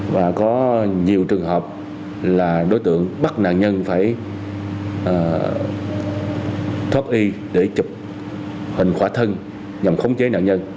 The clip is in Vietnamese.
và có nhiều trường hợp là đối tượng bắt nạn nhân phải thoát y để chụp hình khỏa thân nhằm khống chế nạn nhân